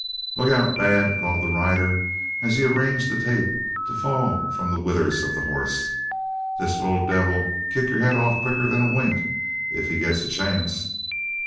"Look out, Dad," called the rider, as he arranged the tape to fall from the withers of the horse, "this little devil'll kick your head off quicker than a wink if he gets a chance."